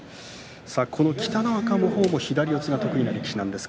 北の若も左四つが得意な力士です。